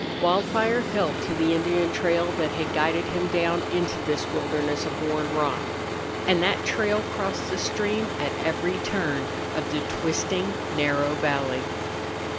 Wildfire held to the Indian trail that had guided him down into this wilderness of worn rock. And that trail crossed the stream at every turn of the twisting, narrow valley.